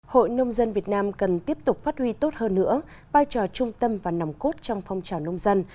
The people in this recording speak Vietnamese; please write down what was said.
hội nông dân việt nam cần tiếp tục phát huy tốt hơn nữa vai trò trung tâm và nằm cốt trong phong trào nông dân